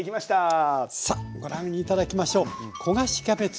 さあご覧頂きましょう。